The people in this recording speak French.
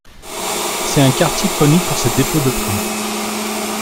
C'est un quartier connu pour ses dépôts de trains.